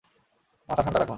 মাথা ঠান্ডা রাখুন!